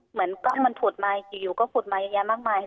เหมือนกล้องมันถูดมาอยู่ก็ถูดมาอย่างเยอะมากมาย